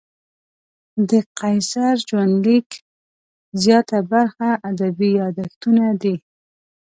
د قیصر ژوندلیک زیاته برخه ادبي یادښتونه دي.